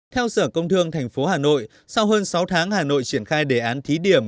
theo sở công thương tp hà nội sau hơn sáu tháng hà nội triển khai đề án thí điểm